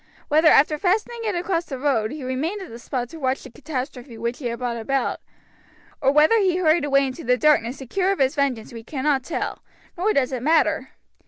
Whether after fastening it across the road he remained at the spot to watch the catastrophe which he had brought about, or whether he hurried away into the darkness secure of his vengeance we cannot tell, nor does it matter.